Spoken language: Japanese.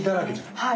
はい。